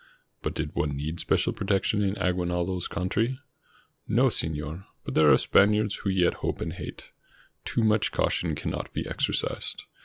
But did one need special protection in Aguinaldo's country? No, Senor, but there are Spaniards who yet hope and hate. Too much caution cannot be exercised.